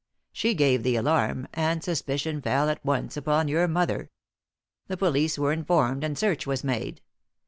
She gave the alarm, and suspicion fell at once upon your mother. The police were informed, and search was made.